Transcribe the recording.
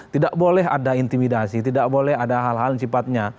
tidak boleh ada intimidasi tidak boleh ada hal hal yang sifatnya